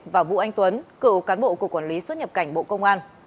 và vũ anh tuấn cựu cán bộ cục quản lý xuất nhập cảnh bộ công an